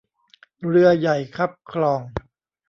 เรือใหญ่คับคลอง